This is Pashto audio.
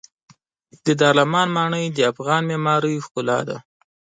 د دارالامان ماڼۍ د افغان معمارۍ ښکلا ده.